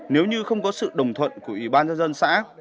nếu như không có sự đồng thuận của ủy ban nhân dân xã